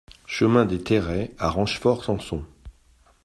Chemin des Terrets à Rochefort-Samson